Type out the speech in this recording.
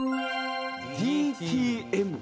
ＤＴＭ。